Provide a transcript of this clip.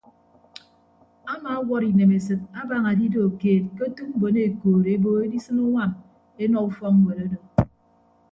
Amaawʌt inemesịt abaña adido keet ke otu mbon ekoodo ebo edisịn uñwam enọ ufọkñwet odo.